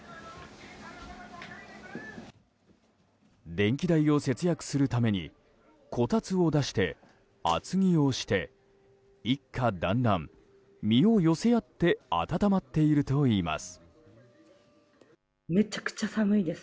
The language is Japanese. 電気代を節約するためにこたつを出して厚着をして一家団らん身を寄せ合って温まっているといいます。